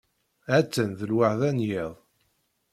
Ha-tt-an d lweḥda n yiḍ.